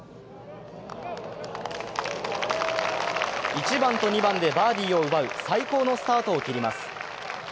１番と２番でバーディーを奪う最高のスタートを切ります。